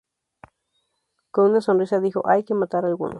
Con una sonrisa dijo "Hay que matar a algunos".